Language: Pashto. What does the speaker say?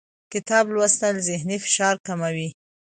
کتاب لوستل ذهني فشار کموي